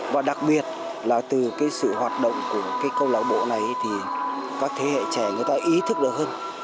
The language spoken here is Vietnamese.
và đặc biệt là từ cái sự hoạt động của cái câu lạc bộ này thì các thế hệ trẻ người ta ý thức được hơn